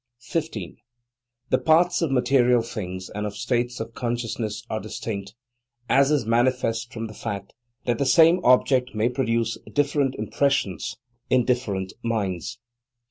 15. The paths of material things and of states of consciousness are distinct, as is manifest from the fact that the same object may produce different impressions in different minds.